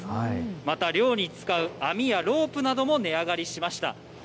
また、漁に使う網やロープなども値上がりしました。